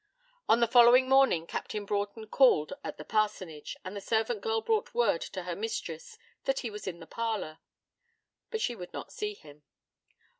On the following morning Captain Broughton called at the parsonage, and the servant girl brought word to her mistress that he was in the parlour. But she would not see him.